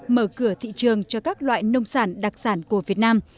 mở cửa thị trường cho các loại nông sản đặc sản của việt nam